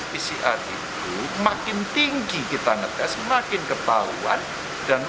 pesan pcr itu makin tinggi kita ngetes makin kebawuan